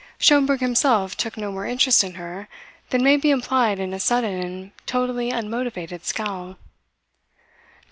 Schomberg himself took no more interest in her than may be implied in a sudden and totally unmotived scowl.